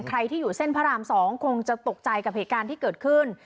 ใครที่อยู่เส้นพระราม๒คงจะตกใจกับเหตุการณ์ที่เกิดขึ้น